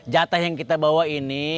jatah yang kita bawa ini